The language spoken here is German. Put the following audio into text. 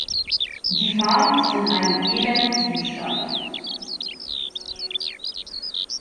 Die Farm ist in einem elenden Zustand.